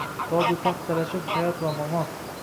Toju taxt talashib hayot va mamot.